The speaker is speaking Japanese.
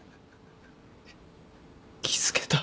気付けた？